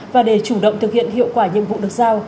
và để chủ động thực hiện hiệu quả nhiệm vụ được giao